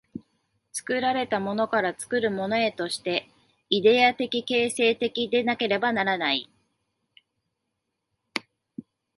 作られたものから作るものへとして、イデヤ的形成的でなければならない。